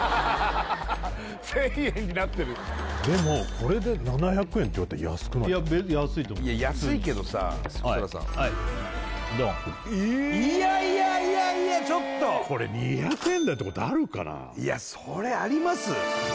１０００円になってるでもこれで７００円って言われたら安くないですか安いと思ういや安いけどさ設楽さんはいドンいやいやいやいやちょっとこれ２００円台ってことあるかないやそれあります？